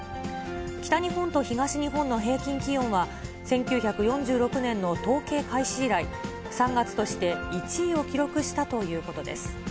北日本と東日本の平均気温は１９４６年の統計開始以来、３月として１位を記録したということです。